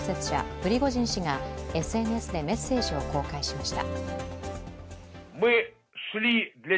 プリゴジン氏がＳＮＳでメッセージを公開しました。